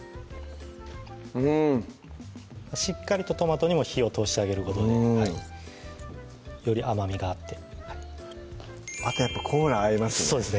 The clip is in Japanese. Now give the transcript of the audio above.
うんしっかりとトマトにも火を通してあげることでより甘みがあってあとやっぱコーラ合いますね